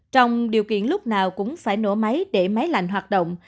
trong điều kiện lúc nào cũng phải nổ máy để máy lạnh hoạt động